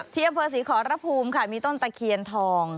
ที่อำเภอศรีขอรภูมิค่ะมีต้นตะเคียนทอง